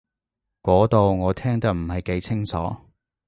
嗰度我聽得唔係幾清楚